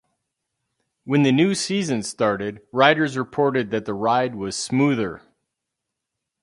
When the new season started, riders reported that the ride was smoother.